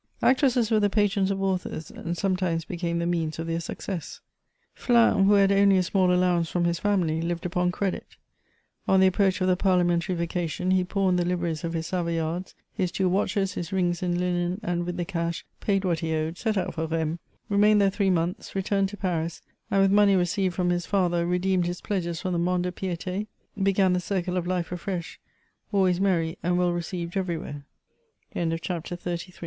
Actresses were the patrons of authors^ and sometimes became the means of their success. Flins, who had only a small allowance from his family, lived upon credit. On the i^proach of the Parliamentary vacation, he pawned the liveries of his Savoyards, his two watches, his rings and linen, and, with the cash, paid what he owed, set out for Rheims, remained there tlu*ee months, returned to Paris, and, with money received from his father redeemed his pledges from the Mont de Piet^ began the circle of life afresh, always merr